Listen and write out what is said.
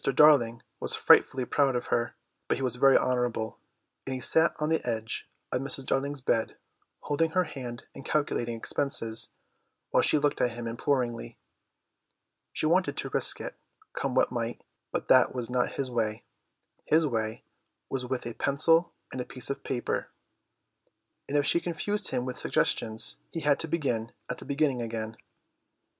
Darling was frightfully proud of her, but he was very honourable, and he sat on the edge of Mrs. Darling's bed, holding her hand and calculating expenses, while she looked at him imploringly. She wanted to risk it, come what might, but that was not his way; his way was with a pencil and a piece of paper, and if she confused him with suggestions he had to begin at the beginning again.